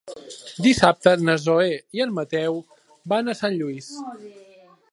Dissabte na Zoè i en Mateu van a Sant Lluís.